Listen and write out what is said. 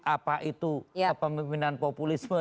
apa itu kepemimpinan populisme